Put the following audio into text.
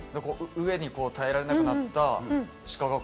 飢えに耐えられなくなった。